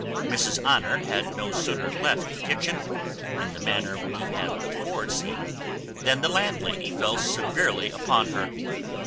Mrs Honour had no sooner left the kitchen in the manner we have before seen than the landlady fell severely upon her.